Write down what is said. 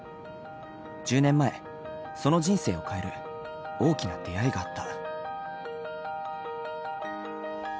１０年前その人生を変える大きな出会いがあった。